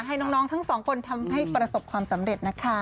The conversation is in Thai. ให้น้องทั้งสองคนทำให้ประสบความสำเร็จนะคะ